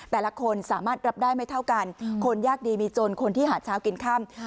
แต่ละคนสามารถรับได้ไม่เท่ากันคนยากดีมีจนคนที่หาเช้ากินค่ำ